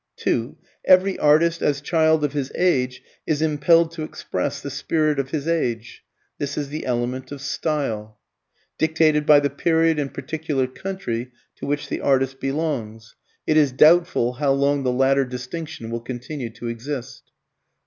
(2) Every artist, as child of his age, is impelled to express the spirit of his age (this is the element of style) dictated by the period and particular country to which the artist belongs (it is doubtful how long the latter distinction will continue to exist).